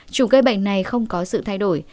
chủng gây bệnh này không có sự thay đổi